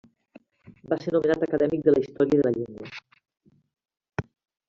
Va ser nomenat acadèmic de la Història i de la Llengua.